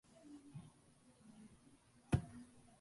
என் செய்வது? என்றார் பிரசங்கியார்.